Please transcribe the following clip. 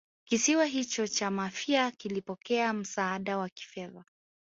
kisiwa hicho cha Mafia kilipokea msaada wa kifedha